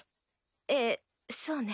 ええそうね。